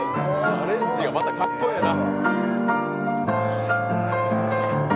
アレンジがまたかっこええな。